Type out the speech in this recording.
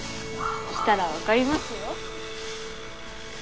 来たら分かりますよ。